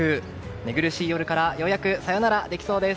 寝苦しい夜からようやくさよならできそうです。